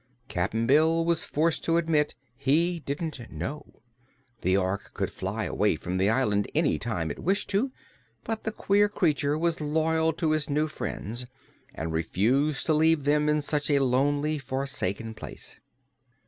Cap'n Bill was forced to admit he didn't know. The Ork could fly away from the island any time it wished to, but the queer creature was loyal to his new friends and refused to leave them in such a lonely, forsaken place.